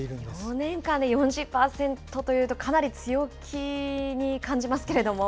４年間で４０％というと、かなり強気に感じますけれども。